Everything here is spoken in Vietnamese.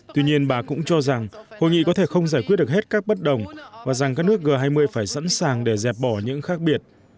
tuy nhiên bà cũng cho rằng hội nghị có thể không giải quyết được hết các bất đồng và rằng các nước g hai mươi phải sẵn sàng để dẹp bỏ những khác biệt